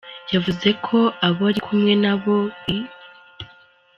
Yavuze ko abo ari kumwe na bo i.